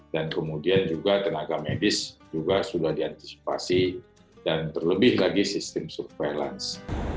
dan kemudian juga tenaga medis juga sudah diantisipasi dan terlebih lagi sistem surveillance